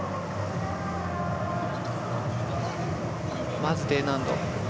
まずＤ難度。